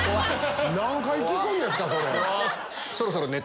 何回聞くんですか